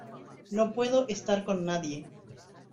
no puedo estar con nadie.